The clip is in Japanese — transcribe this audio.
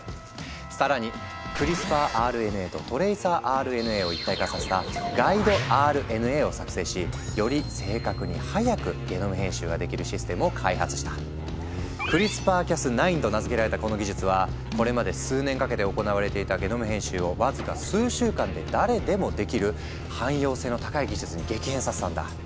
更にクリスパーＲＮＡとトレイサーＲＮＡを一体化させた「ガイドＲＮＡ」を作成しより正確に早くゲノム編集ができるシステムを開発した。と名付けられたこの技術はこれまで数年かけて行われていたゲノム編集をわずか数週間で誰でもできる汎用性の高い技術に激変させたんだ。